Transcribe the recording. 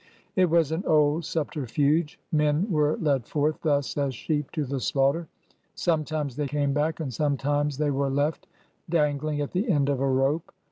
It was an old subterfuge. Men were led forth thus as sheep to the slaughter. Sometimes they came back and sometimes they were left dangling at the end of a rope.